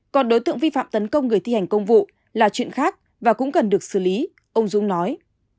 còn đối tượng vi phạm tấn công người thi hành công vụ là chuyện khác và cũng cần được xử lý ông dung nói